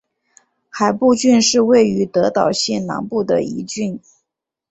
海部郡是位于德岛县南部的一郡。